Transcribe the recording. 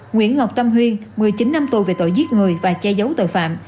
nguyễn ngọc tâm huyên một mươi chín năm tù về tội giết người và che giấu tội phạm